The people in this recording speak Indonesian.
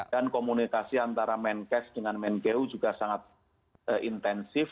dan komunikasi antara kemenkes dengan kemenkeu juga sangat intensif